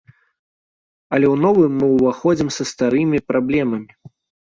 Але ў новы мы ўваходзім са старымі праблемамі.